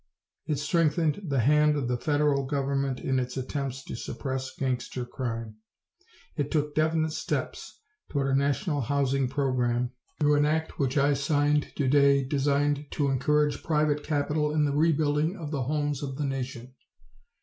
It strengthened the hand of the federal government in its attempts to suppress gangster crime. It took definite steps towards a national housing program through an act which I signed today designed to encourage private capital in the rebuilding of the homes of the nation.